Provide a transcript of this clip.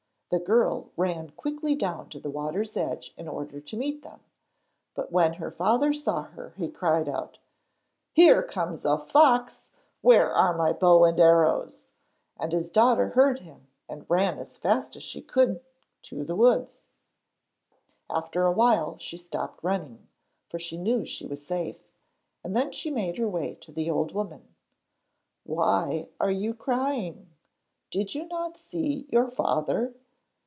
The girl ran quickly down to the water's edge in order to meet them, but when her father saw her he cried out: 'Here comes a fox; where are my bow and arrows?' And his daughter heard him and ran as fast as she could to the woods. After a while she stopped running, for she knew she was safe, and then she made her way to the old woman. 'Why are you crying? Did you not see your father?'